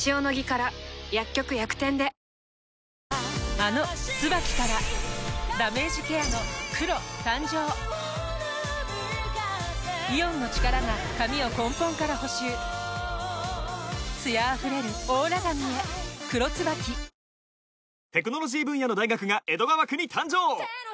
あの「ＴＳＵＢＡＫＩ」からダメージケアの黒誕生イオンの力が髪を根本から補修艶あふれるオーラ髪へ「黒 ＴＳＵＢＡＫＩ」いつもの洗濯が